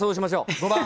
５番。